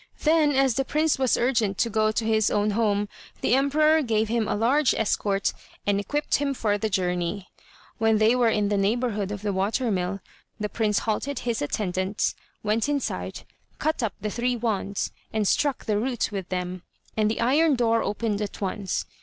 Then, as the prince was urgent to go to his own home, the emperor gave him a large escort, and equipped him for the journey. When they were in the neighbourhood of the water mill, the prince halted his attendants, went inside, cut up the three wands, and struck the root with them, and the iron door opened at once.